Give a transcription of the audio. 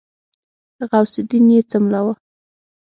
غوث الدين يې څملاوه.